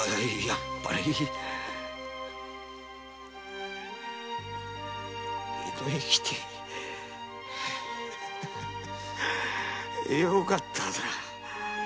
やっぱり江戸へ来てよかったなぁ。